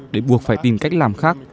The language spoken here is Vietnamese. để buộc phải tìm cách làm khác